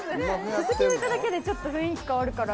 ススキ置いただけでちょっと雰囲気変わるから。